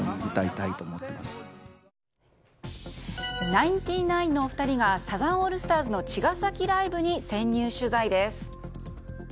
ナインティナインのお二人がサザンオールスターズの茅ヶ崎ライブに潜入取材です。